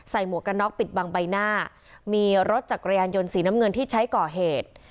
หมวกกันน็อกปิดบังใบหน้ามีรถจักรยานยนต์สีน้ำเงินที่ใช้ก่อเหตุ